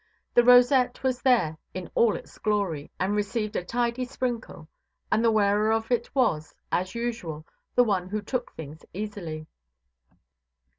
The rosette was there in all its glory, and received a tidy sprinkle; and the wearer of it was, as usual, the one who took things easily.